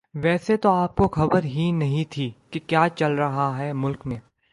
ویسے تو آپ کو خبر ہی نہیں تھی کہ کیا چل رہا ہے ملک میں